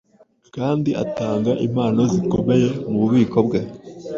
kandi atanga impano zikomeye mu bubiko bwe